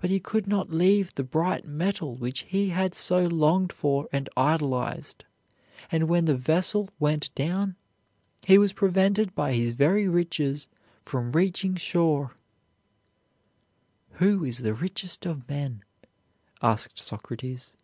But he could not leave the bright metal which he had so longed for and idolized, and when the vessel went down he was prevented by his very riches from reaching shore. "Who is the richest of men?" asked Socrates.